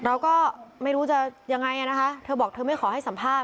เราก็ไม่รู้จะยังไงนะคะเธอบอกเธอไม่ขอให้สัมภาษณ